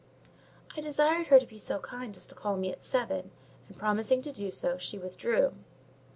I desired her to be so kind as to call me at seven, and, promising to do so, she withdrew.